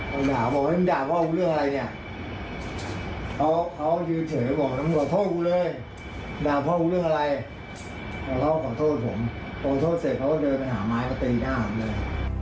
ขอโทษเสร็จแล้วเขาก็เดินไปหาไม้กระเตียงหน้าผมเลย